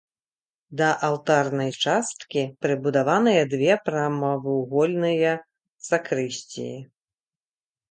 Да алтарнай часткі прыбудаваныя две прамавугольныя сакрысціі.